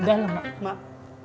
di dalam mak